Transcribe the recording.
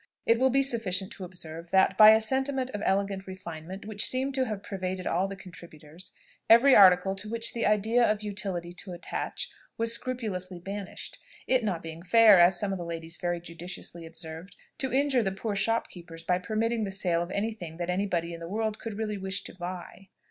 It will be sufficient to observe, that, by a sentiment of elegant refinement which seemed to have pervaded all the contributors, every article to which the idea of utility could attach was scrupulously banished; it not being fair, as some of the ladies very judiciously observed, to injure the poor shopkeepers by permitting the sale of any thing that any body in the world could really wish to buy.